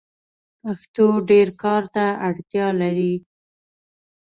پښتو ډير کار ته اړتیا لري.